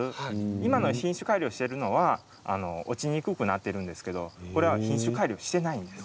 今の品種改良しているのは落ちにくくなっているんですけどこれは品種改良していないんです。